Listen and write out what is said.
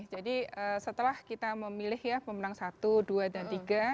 jadi setelah kita memilih ya pemenang satu dua dan tiga